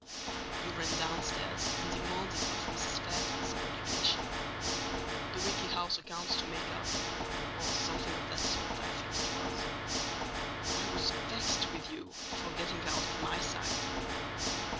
You ran downstairs and demanded of Mrs. Fairfax some occupation: the weekly house accounts to make up, or something of that sort, I think it was. I was vexed with you for getting out of my sight.